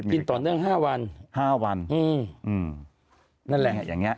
กินตอนนั้น๕วัน